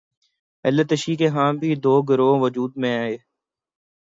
اہل تشیع کے ہاں بھی دو گروہ وجود میں آئے